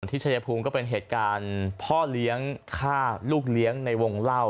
ชายภูมิก็เป็นเหตุการณ์พ่อเลี้ยงฆ่าลูกเลี้ยงในวงเล่า